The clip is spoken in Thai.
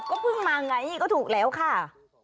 ก็เพิ่งมาไงก็ถูกแล้วค่ะ